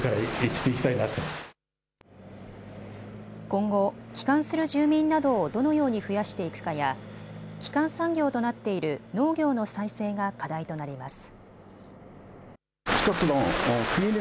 今後、帰還する住民などをどのように増やしていくかや基幹産業となっている農業の再生が課題となります。